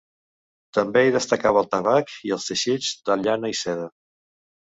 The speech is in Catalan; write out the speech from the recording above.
També hi destacava el tabac i els teixits de llana i seda.